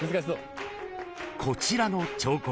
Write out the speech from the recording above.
［こちらの彫刻。